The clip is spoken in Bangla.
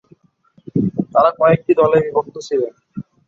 তারা কয়েকটি দলে বিভক্ত ছিলেন।